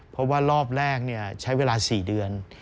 เพราะว่ารอบแรกใช้เวลา๔เดือน